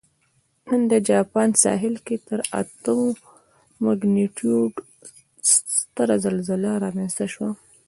نن د جاپان ساحل کې تر اتو مګنیټیوډ ستره زلزله رامنځته شوې